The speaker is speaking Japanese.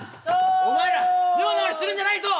お前らノロノロするんじゃないぞ！